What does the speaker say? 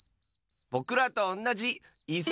ぼくらとおんなじいす！